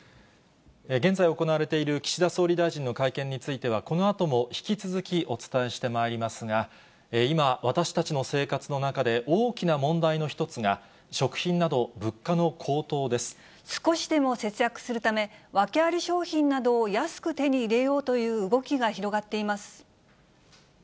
現在行われている岸田総理大臣の会見については、このあとも引き続きお伝えしてまいりますが、今、私たちの生活の中で、大きな問題の一つが、食品など物価の高騰で少しでも節約するため、訳あり商品などを安く手に入れようという動きが広がっています。